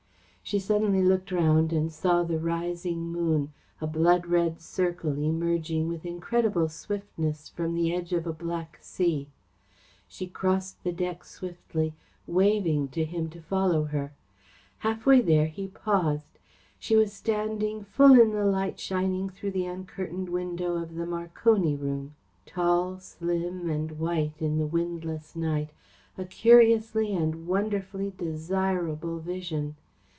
She suddenly looked around and saw the rising moon, a blood red circle emerging with incredible swiftness from the edge of a black sea. She crossed the deck swiftly, waving to him to follow her. Halfway there he paused. She was standing full in the light shining through the uncurtained window of the Marconi room; tall, slim and white in the windless night a curiously and wonderfully desirable vision.